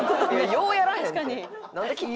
ようやらへんって。